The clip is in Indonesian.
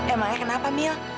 emangnya kenapa mil